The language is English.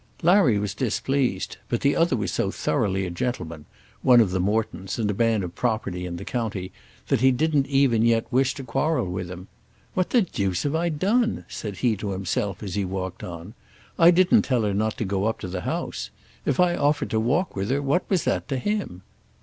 Larry was displeased; but the other was so thoroughly a gentleman, one of the Mortons, and a man of property in the county, that he didn't even yet wish to quarrel with him. "What the deuce have I done?" said he to himself as he walked on "I didn't tell her not to go up to the house. If I offered to walk with her what was that to him?"